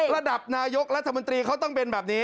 ระดับนายกรัฐมนตรีเขาต้องเป็นแบบนี้